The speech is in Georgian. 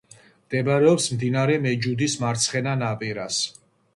მდებარეობს მდინარე მეჯუდის მარცხენა ნაპირას.